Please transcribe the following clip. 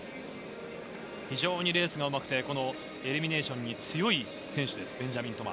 レースがうまくてエリミネイションに強い選手です。